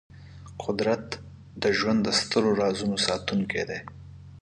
قدرت د ژوند د سترو رازونو ساتونکی دی.